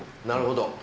なるほど。